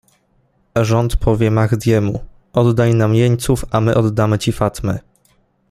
- Rząd powie Mahdiemu: "Oddaj nam jeńców, a my oddamy ci Fatme..."